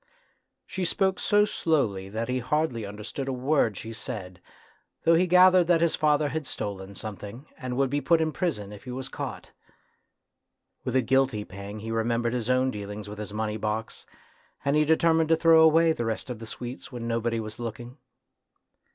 She spoke so slowly that he hardly understood a word she said, though he gathered that father had stolen something, and would be put in prison if he was caught. With a guilty pang he remembered his own dealings with his money box, and he deter mined to throw away the rest of the sweets when nobody was looking.